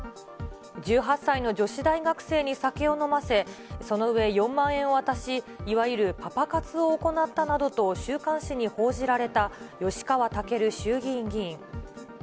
１８歳の女子大学生に酒を飲ませ、その上、４万円を渡し、いわゆるパパ活を行ったなどと、週刊誌に報じられた吉川赳衆議院議員。